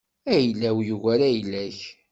Ayla-w yugar ayla-k.